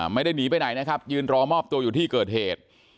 ไม่ได้หนีไปไหนนะครับยืนรอมอบตัวอยู่ที่เกิดเหตุ